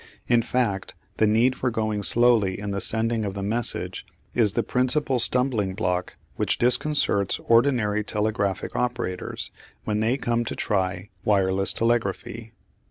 In fact the need for going slowly in the sending of the message is the principal stumbling block which disconcerts ordinary telegraphic operators when they come to try wireless telegraphy.